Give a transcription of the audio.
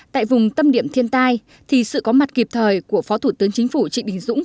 tại vùng tâm điểm thiên tai thì sự có mặt kịp thời của phó thủ tướng chính phủ trị đình dũng